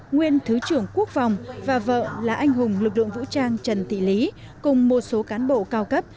nguyên thứ trưởng quốc phòng và vợ là anh hùng lực lượng vũ trang trần thị lý cùng một số cán bộ cao cấp